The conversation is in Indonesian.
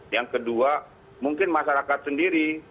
yang kedua mungkin masyarakat sendiri